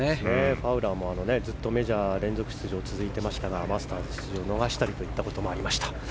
ファウラーもずっとメジャー連続出場が続いていましたが、マスターズ出場を逃したこともありました。